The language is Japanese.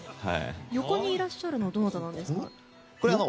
横にいらっしゃるのはどなたなんですか？